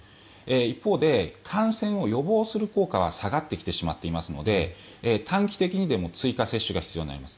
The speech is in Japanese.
一方で感染を予防する効果は下がってきてしまっているので短期的にも追加接種が必要になります。